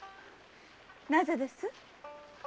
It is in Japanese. なぜです？